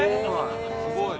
すごい。